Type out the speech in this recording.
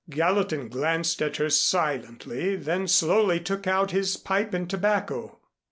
Gallatin glanced at her silently, then slowly took out his pipe and tobacco.